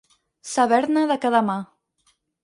Saber-ne de cada mà.